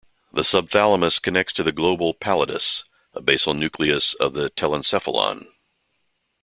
The subthalamus connects to the globus pallidus, a basal nucleus of the telencephalon.